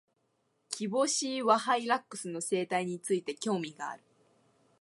キボシイワハイラックスの生態について、興味がある。